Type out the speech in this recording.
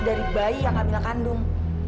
dari bayi yang ambil kandung